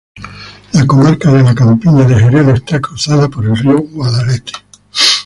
La comarca de la Campiña de Jerez está cruzada por el río Guadalete.